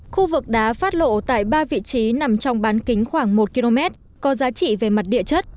khu vực đá phát lộ tại ba vị trí nằm trong bán kính khoảng một km có giá trị về mặt địa chất